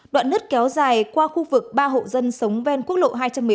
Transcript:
đoạn nứt kéo dài qua khu vực ba hộ dân sống ven quốc lộ hai trăm một mươi bảy